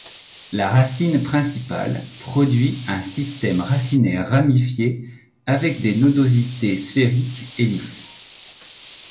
La racine principale produit un système racinaire ramifié avec des nodosités sphériques et lisses.